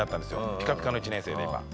ピカピカの１年生で今。